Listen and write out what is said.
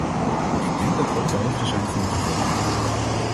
Ik denk dat we op de hoogte zijn van de gevolgen daar.